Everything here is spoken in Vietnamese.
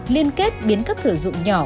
liên kết biến các thử dụng nhỏ